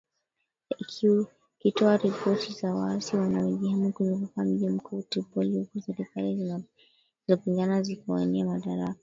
ikitoa ripoti za waasi wanaojihami kuzunguka mji mkuu Tripoli huku serikali zinazopingana zikiwania madaraka